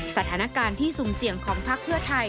สถานการณ์ที่สุ่มเสี่ยงของพักเพื่อไทย